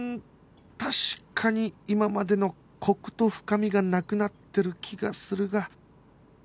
確かに今までのコクと深みがなくなってる気がするが